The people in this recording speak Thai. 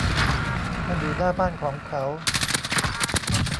มันอยู่หน้าบ้านของเขา